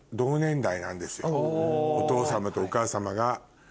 なんですよお父様とお母様が。